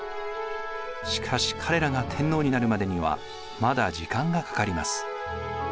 しかし彼らが天皇になるまでにはまだ時間がかかります。